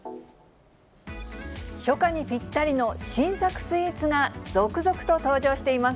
初夏にぴったりの新作スイーツが、続々と登場しています。